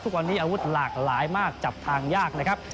ทุกวันนี้อาวุธหลากหลายมากจับทางยากนะครับ